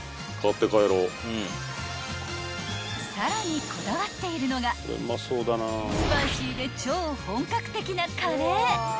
［さらにこだわっているのがスパイシーで超本格的なカレー］